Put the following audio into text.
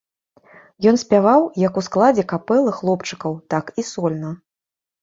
Ён спяваў як у складзе капэлы хлопчыкаў, так і сольна.